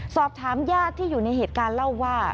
สอบถามญาติที่อยู่ในเหตุการณ์เล่าว่า